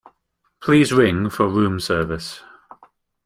Please ring for room service